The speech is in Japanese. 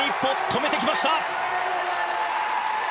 止めてきました。